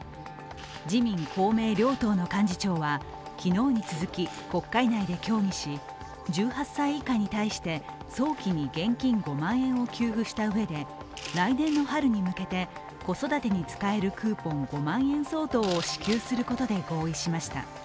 自民・公明両党の幹事長は昨日に続き、国会内で協議し１８歳以下に対して早期に現金５万円を給付したうえで来年の春に向けて子育てに使えるクーポン５万円相当を支給することで合意しました。